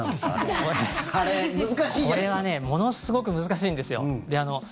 これはものすごく難しいんですよ。